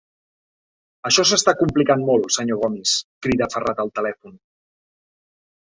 Això s'està complicant molt, senyor Gomis —crida aferrat al telèfon—.